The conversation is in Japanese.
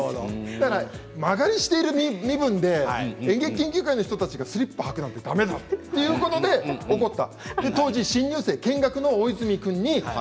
だから間借りしている身分で演劇研究会の人たちのスリッパを履くなんて、だめだということで怒った。